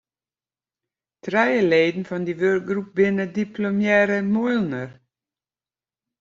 Trije leden fan dy wurkgroep binne diplomearre moolner.